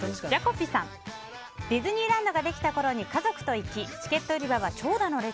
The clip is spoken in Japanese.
ディズニーランドができたころに家族と行きチケット売り場は長蛇の列。